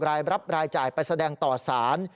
รายรับรายจ่ายไปแสดงต่อสาร